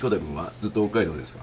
ずっと北海道ですか？